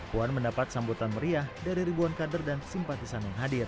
puan mendapat sambutan meriah dari ribuan kader dan simpatisan yang hadir